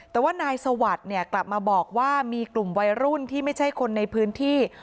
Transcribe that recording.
แต่ว่านายสวัสดิ์เนี่ยกลับมาบอกว่ามีกลุ่มวัยรุ่นที่ไม่ใช่คนในพื้นที่